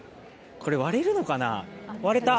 これ、割れるのかな割れた。